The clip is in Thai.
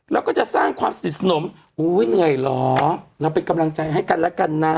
แล้วก็จะสร้างความสนิทสนมอุ้ยเหนื่อยเหรอเราเป็นกำลังใจให้กันแล้วกันนะ